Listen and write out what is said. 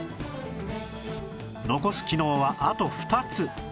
残す機能はあと２つ